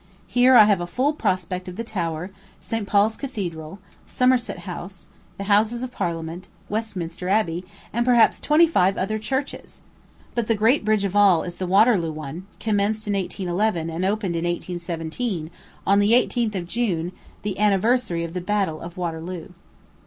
Here I have a full prospect of the Tower, St. Paul's Cathedral, Somerset House, the Houses of Parliament, Westminster Abbey, and perhaps twenty five other churches! But the great bridge of all is the Waterloo one, commenced in 1811, and opened in 1817, on the 18th of June, the anniversary of the battle of Waterloo.